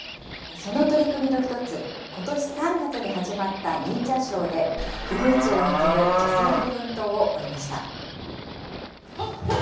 その取り組みの１つ、ことし３月に始まった忍者ショーで、くノ一を演じる女性の奮闘を追いました。